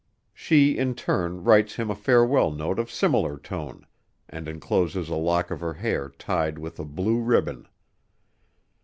She in turn writes him a farewell note of similar tone, and encloses a lock of her hair tied with a blue ribbon.